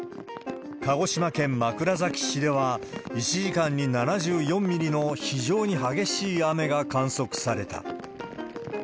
鹿児島県枕崎市では、１時間に７４ミリの非常に激しい雨が観測された。